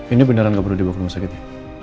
ini beneran gak perlu dibawa ke rumah sakit ya